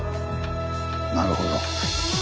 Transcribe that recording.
なるほど。